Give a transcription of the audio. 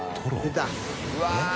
えっ！